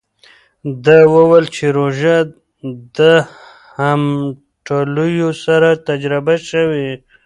ده وویل چې روژه د همټولیو سره تجربه شوې.